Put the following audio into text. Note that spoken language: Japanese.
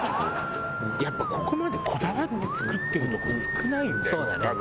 「やっぱここまでこだわって作ってるとこ少ないんだよ多分」